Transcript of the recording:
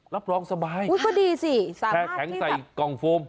รับรองสบายพร้อมดีสิแพ็คแข็งใส่กองโฟม